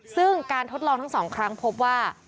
ซึ่งการทดลองทั้ง๒ครั้งพบว่า